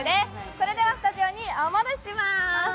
それではスタジオにお戻しします。